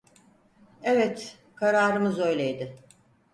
Evet, kararımız öyleydi.